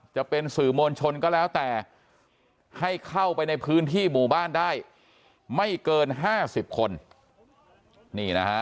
จะเป็นสื่อมวลชนก็แล้วแต่ให้เข้าไปในพื้นที่หมู่บ้านได้ไม่เกิน๕๐คนนี่นะฮะ